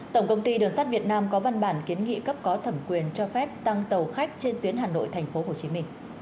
tổng công ty đường sắt việt nam có văn bản kiến nghị cấp có thẩm quyền cho phép tăng tàu khách trên tuyến hà nội tp hcm